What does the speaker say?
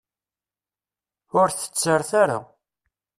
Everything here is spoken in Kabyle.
Ur tettret ara.